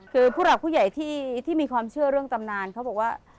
คือผู้หลักผู้ใหญ่ที่มีความเชื่อเรื่องตำนานเขาบอกว่า